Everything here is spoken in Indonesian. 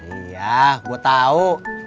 iya gue tahu